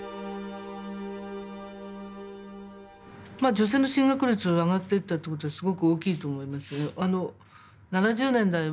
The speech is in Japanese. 女性の進学率上がっていったっていうことはすごく大きいと思います。